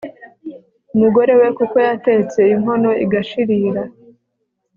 umugore we kuko yatetse inkono igashirira